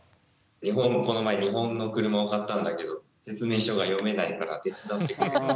「この前日本の車を買ったんだけど説明書が読めないから手伝ってくれ」とか。